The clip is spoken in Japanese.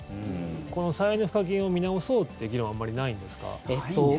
この再エネ賦課金を見直そうっていう議論はあまりないんですか？